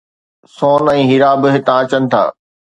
سون ۽ هيرا به هتان اچن ٿا